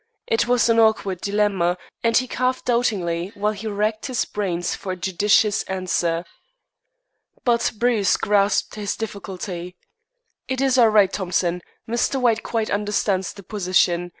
It was an awkward dilemma, and he coughed doubtingly while he racked his brains for a judicious answer. But Bruce grasped his difficulty. "It is all right, Thompson. Mr. White quite understands the position.